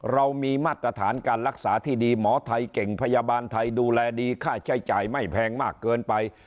เรามีมาตรฐานการรักษาที่ดีหมอไทยเก่งพยาบาลไทยดูแลดีค่าใช้จ่ายไม่แพงมากเกินไป